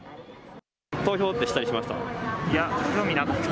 投票ってしたりしました？